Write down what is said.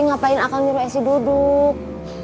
ngapain akan nyuruh esy duduk